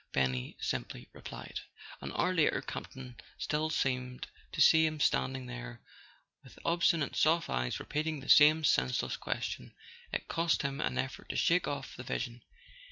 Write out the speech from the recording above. Benny simply replied. An hour later Campton still seemed to see him stand¬ ing there, with obstinate soft eyes repeating the same senseless question. It cost him an effort to shake off the vision.